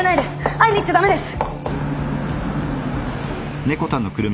会いに行っちゃ駄目です！